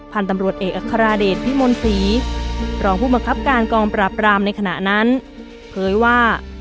พันธุ์ตำรวจเอกอัคราเดชพิมลศรีรองผู้บังคับการกองปราบรามในขณะนั้นเผยว่า